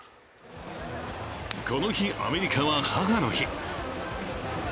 この日、アメリカは母の日。